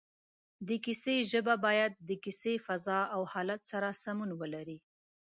د کیسې ژبه باید د کیسې فضا او حالت سره سمون ولري